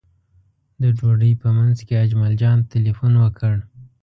د ډوډۍ په منځ کې اجمل جان تیلفون وکړ.